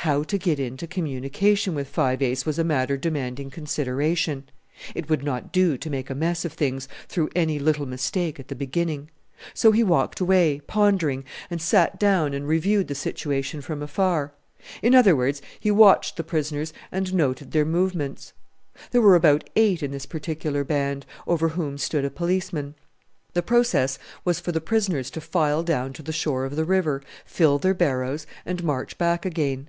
How to get into communication with Five Ace was a matter demanding consideration; it would not do to make a mess of things through any little mistake at the beginning. So he walked away, pondering, and sat down and reviewed the situation from afar; in other words, he watched the prisoners and noted their movements. There were about eight in this particular band, over whom stood a policeman. The process was for the prisoners to file down to the shore of the river, fill their barrows, and march back again.